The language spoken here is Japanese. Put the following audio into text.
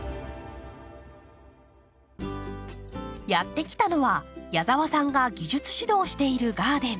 やって来たのは矢澤さんが技術指導をしているガーデン。